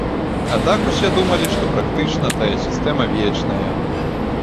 А так усе думалі, што практычна тая сістэма вечная.